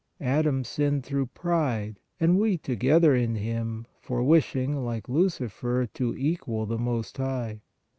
Adam sinned through pride and we together in him, for wishing, like Lucifer, to equal the Most High.